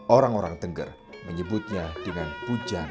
orang orang tengger menyebutnya dengan pujan kasanga